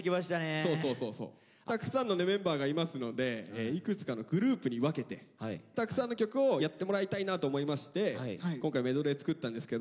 たくさんのねメンバーがいますのでいくつかのグループに分けてたくさんの曲をやってもらいたいなと思いまして今回メドレー作ったんですけど。